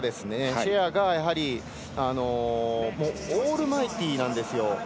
シェアがオールマイティーなんですよ。